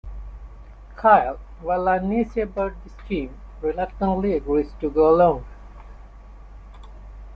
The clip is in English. Kyle, while uneasy about the scheme, reluctantly agrees to go along.